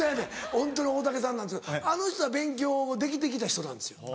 ホントに大竹さんなんですけどあの人は勉強できて来た人なんですよ。